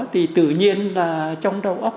thì tự nhiên là trong đầu óc